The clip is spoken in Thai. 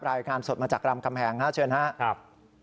รายงานสดมาจากรำคำแหงฮะเชิญครับ